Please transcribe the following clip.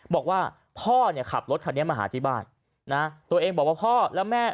บอกว่าพ่อเนี่ยขับรถคันนี้มาหาที่บ้านนะตัวเองบอกว่าพ่อและแม่